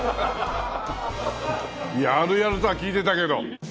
やるやるとは聞いてたけど。